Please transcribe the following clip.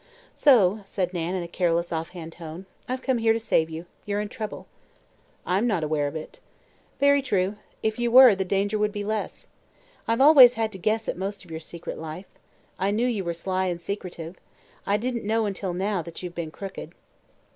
"So," said Nan, in a careless, offhand tone, "I've come here to save you. You're in trouble." "I am not aware of it." "Very true. If you were, the danger would be less. I've always had to guess at most of your secret life. I knew you were sly and secretive. I didn't know until now that you've been crooked."